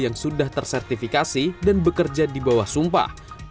yang sudah tersertifikasi dan bekerja di bawah sumpah